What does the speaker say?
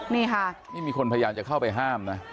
นี่ค่ะนี่มีคนพยายามจะเข้าไปห้ามนะ